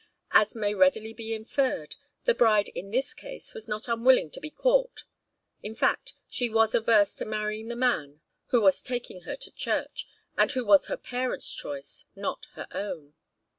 As may readily be inferred, the bride in this case was not unwilling to be caught; in fact she was averse to marrying the man who was taking her to church, and who was her parent's choice, not her own.